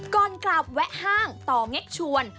ก่อนกลับแวะห้างต่อเง็กชวน